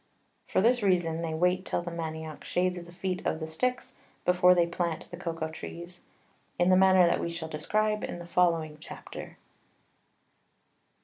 For this reason they wait till the Manioc shades the Feet of the Sticks before they plant the Cocao Trees, in the manner that we shall describe in the following Chapter.